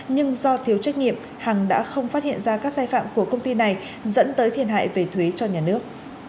nhưng do thiếu trách nhiệm hằng đã không phát hiện ra các sai phạm của công ty này dẫn tới thiệt hại về thuế cho nhà nước